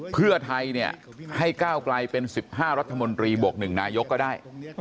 เพื่อไทยเนี่ยให้ก้าวไกลเป็น๑๕รัฐมนตรีบวก๑นายกก็ได้